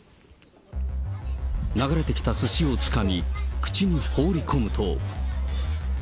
流れてきたすしをつかみ、口に放り込むと。